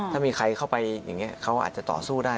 ถ้ามีใครเข้าไปอย่างนี้เขาอาจจะต่อสู้ได้